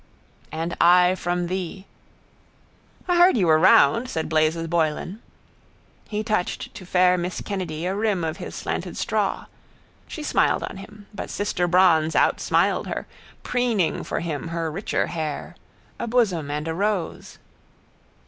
—And I from thee... —I heard you were round, said Blazes Boylan. He touched to fair miss Kennedy a rim of his slanted straw. She smiled on him. But sister bronze outsmiled her, preening for him her richer hair, a bosom and a rose.